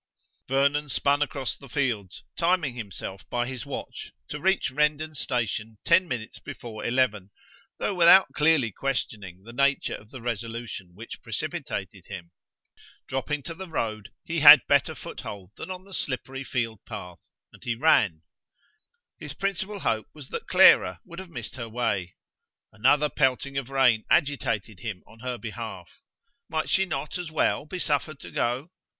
Vernon spun across the fields, timing himself by his watch to reach Rendon station ten minutes before eleven, though without clearly questioning the nature of the resolution which precipitated him. Dropping to the road, he had better foothold than on the slippery field path, and he ran. His principal hope was that Clara would have missed her way. Another pelting of rain agitated him on her behalf. Might she not as well be suffered to go?